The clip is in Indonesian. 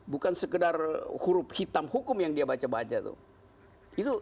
bukan sekedar huruf hitam hukum yang dia baca baca tuh